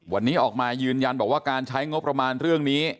วันนี้ออกมายืนยันบอกว่าการใช้งบประมาณเรื่องนี้